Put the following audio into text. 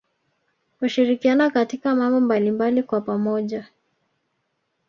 Hushirikiana katika mambo mbalimbali kwa pamoja